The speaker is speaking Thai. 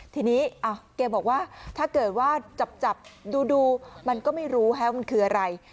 ทีนี้แกบอกว่าถ้าเกิดว่าจับดูมันก็ไม่รู้ว่ามันคืออะไร